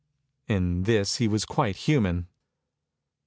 In this he was quite human!